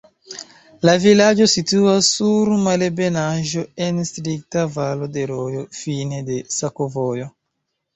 La vilaĝo situas sur malebenaĵo en strikta valo de rojo, fine de sakovojo.